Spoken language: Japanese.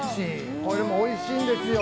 これもおいしいんですよ。